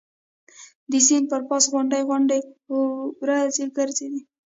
د سیند پر پاسه غونډۍ غونډۍ وریځ ګرځېدې.